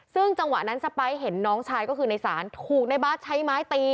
ซึ่งจังหวะนั้นสไปร์เห็นน้องชายก็คือในศาลถูกในบาสใช้ไม้ตี